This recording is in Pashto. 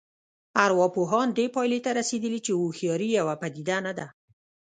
ارواپوهان دې پایلې ته رسېدلي چې هوښیاري یوه پدیده نه ده